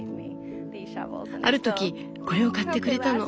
ある時これを買ってくれたの。